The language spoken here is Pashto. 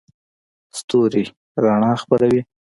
ستوري رڼا خپروي.